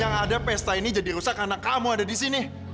yang ada pesta ini jadi rusak karena kamu ada di sini